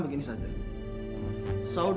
enggak seperti itu